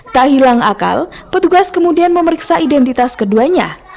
tak hilang akal petugas kemudian memeriksa identitas keduanya